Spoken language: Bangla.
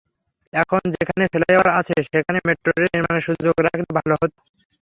এখন যেখানে ফ্লাইওভার আছে, সেখানে মেট্রোরেল নির্মাণের সুযোগ রাখলে ভালো হতো।